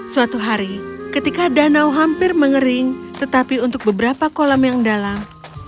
suatu hari ketika danau hampir mengering tetapi untuk beberapa kolam yang dalam